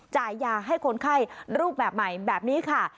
จ่ายยาให้คนไข้รูปแบบใหม่แบบนี้ค่ะ